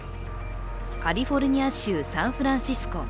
カリフォルニア州サンフランシスコ。